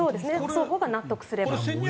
双方が納得すれば。